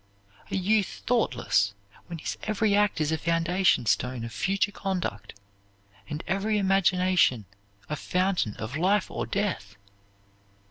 "A youth thoughtless, when his every act is a foundation stone of future conduct, and every imagination a fountain of life or death!